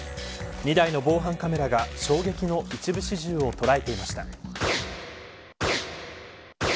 ２台の防犯カメラが衝撃の一部始終を捉えていました。